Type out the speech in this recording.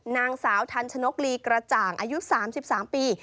นางสาวทันชนกลีกระจ่างอายุ๓๓ปี